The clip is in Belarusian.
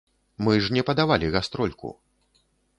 Мы ж не падавалі гастрольку.